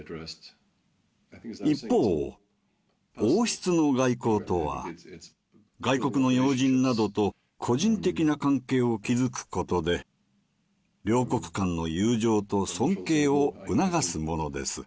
一方王室の外交とは外国の要人などと個人的な関係を築くことで両国間の友情と尊敬を促すものです。